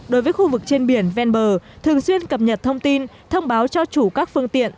đối với khu vực trên biển ven bờ thường xuyên cập nhật thông tin thông báo cho chủ các phương tiện